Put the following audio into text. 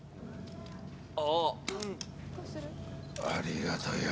ああ！ありがとよ。